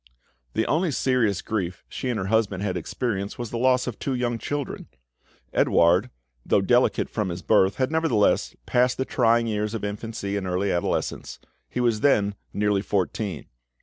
The only serious grief she and her husband had experienced was the loss of two young children. Edouard, though delicate from his birth, had nevertheless passed the trying years of infancy and early adolescence; he was them nearly fourteen.